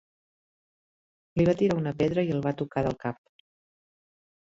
Li va tirar una pedra i el va tocar del cap.